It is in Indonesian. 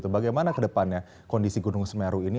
bagaimana ke depannya kondisi gunung semeru ini